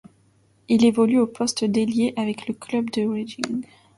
Il évolue au poste d'ailier avec le club de Reading.